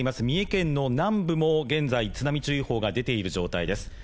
三重県の南部も現在津波注意報が出ている状態です。